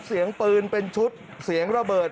เสียงปืนเป็นชุดเสียงระเบิด